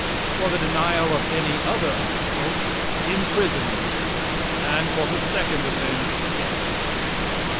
For the denial of any other article, imprisonment, and for the second offense death.